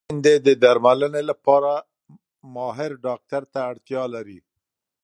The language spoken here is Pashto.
مېندې د درملنې لپاره ماهر ډاکټر ته اړتیا لري.